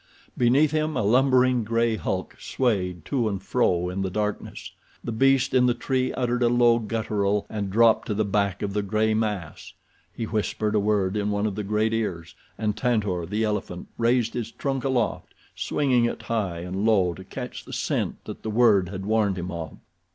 Beneath him a lumbering gray hulk swayed to and fro in the darkness. The beast in the tree uttered a low guttural and dropped to the back of the gray mass. He whispered a word in one of the great ears and Tantor, the elephant, raised his trunk aloft, swinging it high and low to catch the scent that the word had warned him of.